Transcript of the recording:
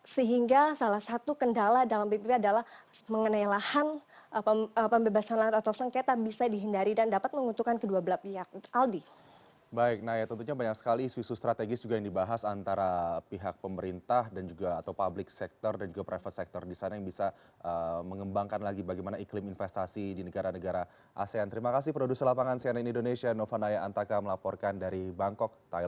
sehingga salah satu kendala dalam bpp adalah mengenai lahan pembebasan atau sengketa bisa dihindari dan dapat menguntungkan kedua belah pihak